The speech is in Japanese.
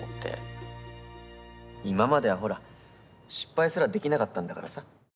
今まではほら失敗すらできなかったんだからさ。